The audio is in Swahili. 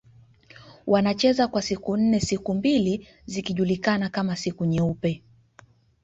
Wanacheza kwa siku nne siku mbili zikijulikana kama siku nyeupe